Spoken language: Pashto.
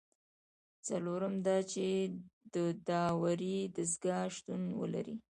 څلورم دا چې د داورۍ دستگاه شتون ولري.